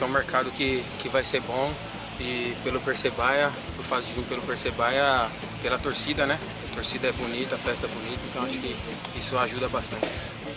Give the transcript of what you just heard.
persebaya perfasju persebaya pelatursida pelatursida yang menarik pelatursida yang menarik itu sangat membantu